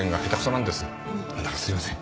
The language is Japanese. なんだかすいません。